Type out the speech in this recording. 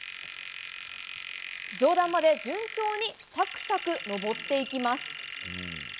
上段まで順調にさくさく登っていきます。